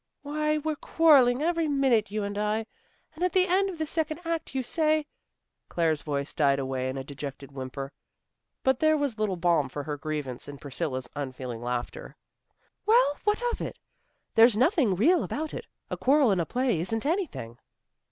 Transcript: "Why, we're quarrelling every minute, you and I. And at the end of the second act, you say " Claire's voice died away in a dejected whimper. But there was little balm for her grievance in Priscilla's unfeeling laughter. "Well, what of it? There's nothing real about it. A quarrel in a play isn't anything."